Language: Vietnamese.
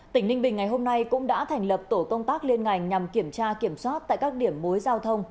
tỉnh ninh bình ngày hôm nay cũng đã thành lập tổ công tác liên ngành nhằm kiểm tra kiểm soát tại các điểm mối giao thông